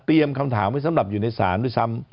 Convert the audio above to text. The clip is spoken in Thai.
เตรียมคำถามให้สำหรับอยู่ในศาลด้วยซ้ำ